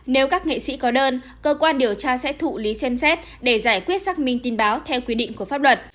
nếu các nghệ sĩ có đơn cơ quan điều tra sẽ thụ lý xem xét để giải quyết xác minh tin báo theo quy định của pháp luật